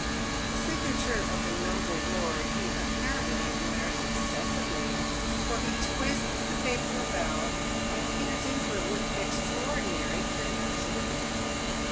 The signature of the noble lord he appa rently admires excessively, for he twists the paper about, and peers into it with extraordinary curiosity.